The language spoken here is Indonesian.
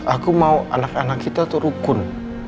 aku mau anak anak kita itu rukun